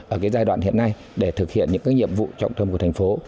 ở cái giai đoạn hiện nay để thực hiện những cái nhiệm vụ trọng thâm của thành phố